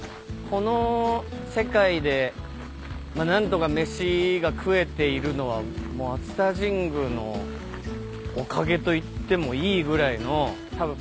この世界で何とか飯が食えているのはもう熱田神宮のおかげと言ってもいいぐらいのたぶん。